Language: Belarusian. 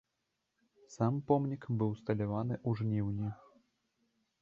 Сам помнік быў усталяваны ў жніўні.